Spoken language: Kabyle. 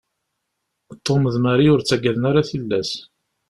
Tom d Mary ur ttaggaden ara tillas.